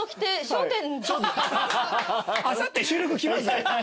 あさって収録来ます？